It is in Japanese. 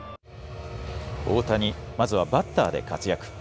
大谷、まずはバッターで活躍。